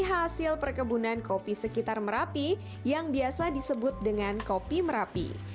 hasil perkebunan kopi sekitar merapi yang biasa disebut dengan kopi merapi